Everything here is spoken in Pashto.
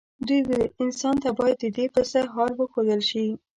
دوی وویل انسان ته باید ددې پسه حال وښودل شي.